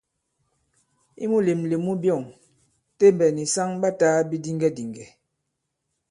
I mulèmlèm mu byɔ̂ŋ, Tembɛ̀ nì saŋ ɓa tāā bidiŋgɛdìŋgɛ̀.